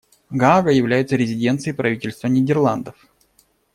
Гаага является резиденцией правительства Нидерландов.